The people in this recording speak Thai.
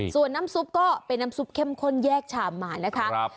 ส่วนน้ำซุปก็เป็นน้ำซุปเข้มข้นแยกชามมานะคะ